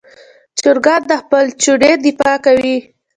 چرګان د خپل چوڼې دفاع کوي.